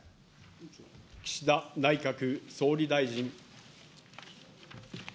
岸田内閣総理大臣。